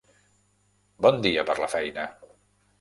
Bon dia per la feina.